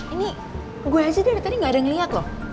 ini gue aja dari tadi gak ada ngelihat loh